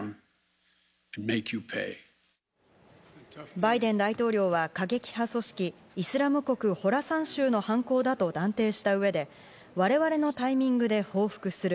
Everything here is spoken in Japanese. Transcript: バイデン大統領は過激派組織イスラム国ホラサン州の犯行だと断定した上で我々のタイミングで報復する。